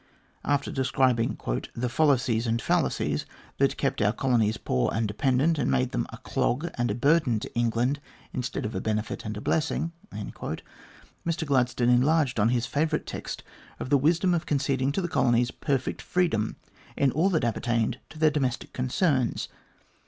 After describing "the follies and fallacies that kept our colonies poor and dependent, and made them a clog and a burden to England instead of a benefit and a blessing," Mr Gladstone enlarged on his favourite text of the wisdom of conceding to the colonies perfect freedom in all that appertained to their domestic concerns.